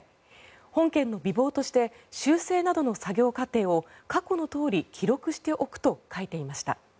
本件の備忘として修正などの作業過程を下記のとおり記録しておくと書いてありました。